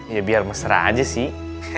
ya biar mesra aja sih